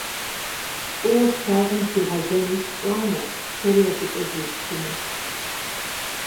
ФӀыуэ слъагъум здигъэзэнур сщӀамэ, сэри абыкӀэ зестынут.